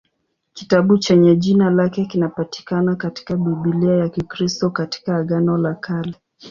Kitabu chenye jina lake kinapatikana katika Biblia ya Kikristo katika Agano la Kale.